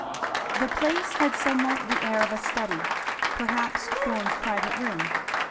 The place had somewhat the air of a study, perhaps Thorn's private room.